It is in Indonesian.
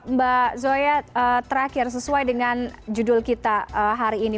mbak zoya terakhir sesuai dengan judul kita hari ini